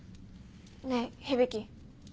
ねぇ響。